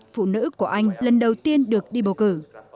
phụ nữ của anh lần đầu tiên được đi bầu cử